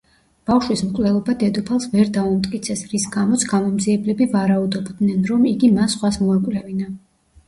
ბავშვის მკვლელობა დედოფალს ვერ დაუმტკიცეს, რის გამოც გამომძიებლები ვარაუდობდნენ, რომ იგი მან სხვას მოაკვლევინა.